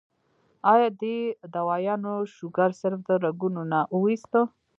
ايا دې دوايانو شوګر صرف د رګونو نه اوويستۀ